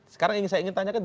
sekarang saya ingin tanyakan